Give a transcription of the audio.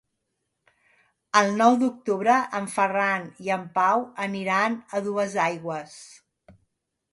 El nou d'octubre en Ferran i en Pau aniran a Duesaigües.